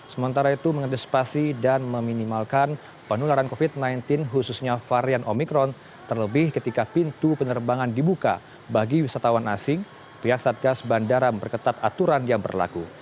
sementara itu mengantisipasi dan meminimalkan penularan covid sembilan belas khususnya varian omikron terlebih ketika pintu penerbangan dibuka bagi wisatawan asing pihak satgas bandara memperketat aturan yang berlaku